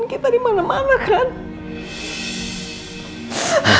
mereka pasti udah ngomongin kita dimana mana kan